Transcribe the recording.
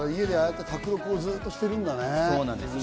家でああやって、宅録してるんだね。